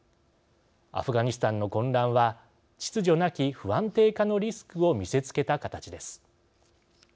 アフガニスタンの混乱は秩序なき不安定化のリスクを見せつけた形です。